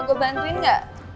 mwgu bantuin gak